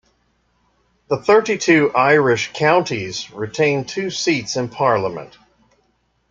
The thirty-two Irish counties retained two seats in Parliament.